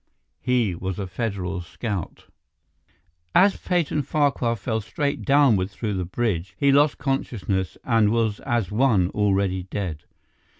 He was a Federal scout. III As Peyton Farquhar fell straight downward through the bridge he lost consciousness and was as one already dead.